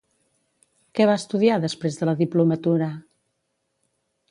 Què va estudiar després de la diplomatura?